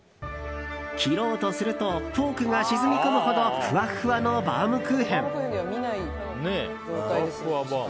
切ろうとするとフォークが沈み込むほどふわふわのバウムクーヘン。